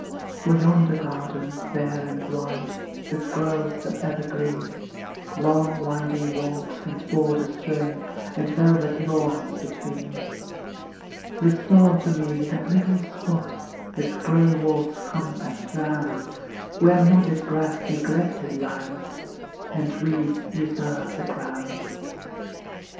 For yonder garden, fair and wide, With groves of evergreen, Long winding walks, and borders trim, And velvet lawns between; Restore to me that little spot, With gray walls compassed round, Where knotted grass neglected lies, And weeds usurp the ground.